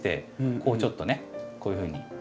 こうちょっとねこういうふうに。